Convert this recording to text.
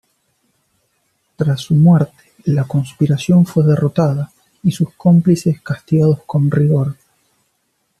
Tras su muerte, la conspiración fue derrotada y sus cómplices castigados con rigor.